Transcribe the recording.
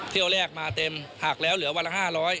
เที่ยวแรกมาเต็มหักแล้วเหลือวันละ๕๐๐